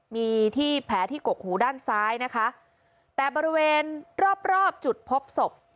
มีที่แผลที่กกหูด้านซ้ายนะคะแต่บริเวณรอบรอบจุดพบศพ